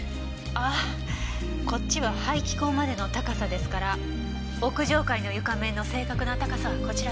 ああこっちは排気口までの高さですから屋上階の床面の正確な高さはこちらですね。